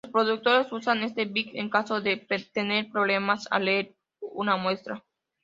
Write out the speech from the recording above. Los reproductores usan este bit en caso de tener problemas al leer una muestra.